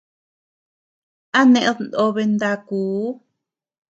¿A neʼéd nobe ndakuu?